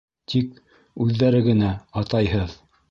Тик... үҙҙәре генә, атайһыҙ...